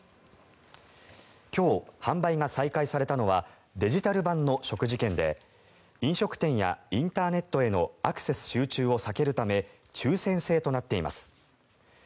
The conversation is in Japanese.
今日、販売が再開されたのはデジタル版の食事券で飲食店やインターネットへのアクセス集中を避けるため抽選制となっています。